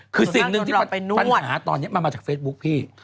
คือสิ่งหนึ่งที่ปัญหาตอนนี้มันมาจากเฟซบุ๊คพี่